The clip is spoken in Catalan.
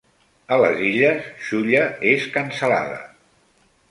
A les Illes 'xulla' és cansalada.